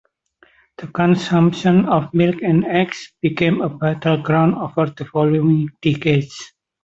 The consumption of milk and eggs became a battleground over the following decades.